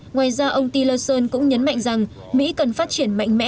ngoài ra ông tillson cũng nhấn mạnh rằng mỹ cần phát triển mạnh mẽ